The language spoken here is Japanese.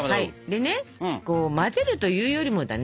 でねこう混ぜるというよりもだね。